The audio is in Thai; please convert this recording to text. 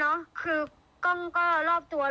แล้วก็ขอพ้อนก็คือหยิบมาเลยค่ะพี่หมดำ